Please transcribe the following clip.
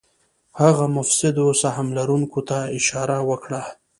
هغه مفسدو سهم لرونکو ته اشاره وکړه.